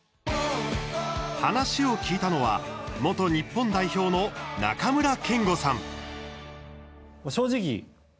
話を聞いたのは元日本代表の中村憲剛さん。